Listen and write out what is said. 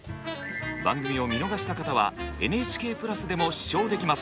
番組を見逃した方はＮＨＫプラスでも視聴できます。